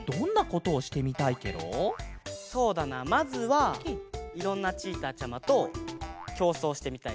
そうだなまずはいろんなチーターちゃまときょうそうしてみたいし。